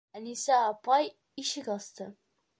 Әнисә апай ишек асты.